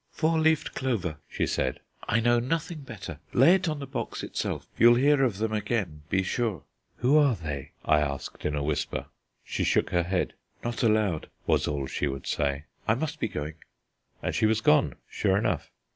"Four leaved clover," she said. "I know nothing better. Lay it on the box itself. You'll hear of them again, be sure." "Who are they?" I asked in a whisper. She shook her head. "Not allowed," was all she would say. "I must be going"; and she was gone, sure enough.